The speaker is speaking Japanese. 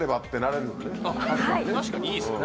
確かにいいですね